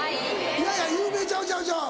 いやいや有名ちゃうちゃうちゃう。